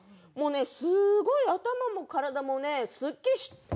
もうねすごい頭も体もねスッキリ。